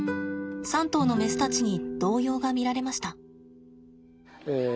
３頭のメスたちに動揺が見られました。